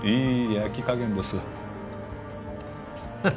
焼き加減です